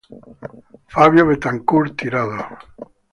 Fabio Betancur Tirado.